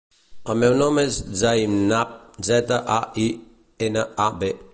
El meu nom és Zainab: zeta, a, i, ena, a, be.